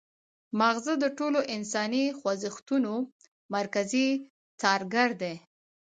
مغزه د ټولو انساني خوځښتونو مرکزي څارګر دي